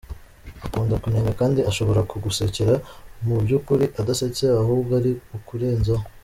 Akunda kunenga kandi ashobora kugusekera mu by’ukuri adasetse ahubwo ari ukurenzaho.